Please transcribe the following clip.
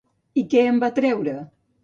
I què en va treure?